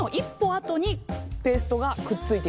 あとにペーストがくっついていくような。